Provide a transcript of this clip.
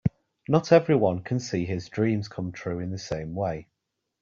Not everyone can see his dreams come true in the same way.